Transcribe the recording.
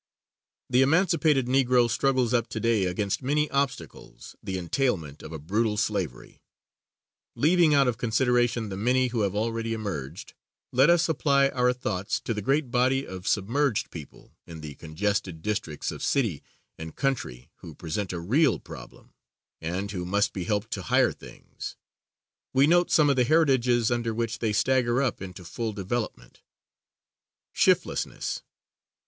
The emancipated Negro struggles up to day against many obstacles, the entailment of a brutal slavery. Leaving out of consideration the many who have already emerged, let us apply our thoughts to the great body of submerged people in the congested districts of city and country who present a real problem, and who must be helped to higher things. We note some of the heritages under which they stagger up into full development: _Shiftlessness.